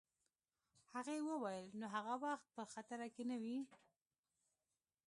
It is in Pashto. هغې وویل: نو هغه وخت په خطره کي نه وې؟